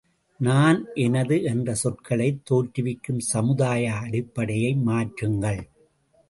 நான் எனது என்ற சொற்களைத் தோற்றுவிக்கும் சமுதாய அடிப்படையை மாற்றுங்கள்!